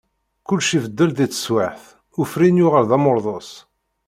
Kulec ibeddel di tesweԑt, ufrin yuγal d amurḍus.